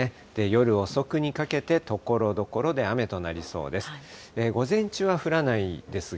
夜遅くにかけて、ところどころで雨となりそうです。